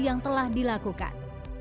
yang telah dilakukan